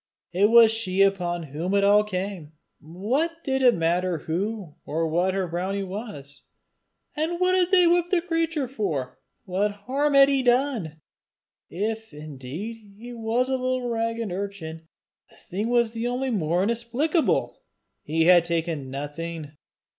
It was she upon whom it all came! What did it matter who or what her brownie was? And what had they whipped the creature for? What harm had he done? If indeed he was a little ragged urchin, the thing was only the more inexplicable! He had taken nothing!